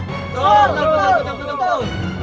betul betul betul